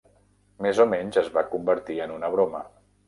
Més o menys, es va convertir en una broma.